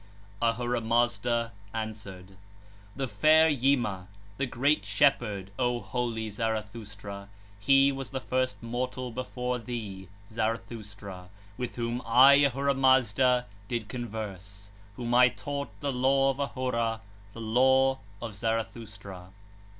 2 (4). Ahura Mazda answered: The fair Yima, the great shepherd, O holy Zarathustra! he was the first mortal, before thee, Zarathustra, with whom I, Ahura Mazda, did converse, whom I taught the law of Ahura, the law of Zarathustra.